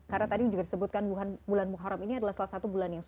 karena tadi juga disebutkan bulan muharram ini adalah salah satu bulan yang suci